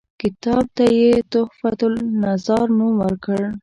کتاب ته یې تحفته النظار نوم ورکړ.